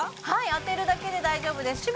はい当てるだけで大丈夫です